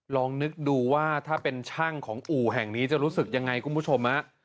ลองนึกดูว่าถ้าเป็นช่างของอู่แห่งนี้จะรู้สึกยังไงคุณผู้ชม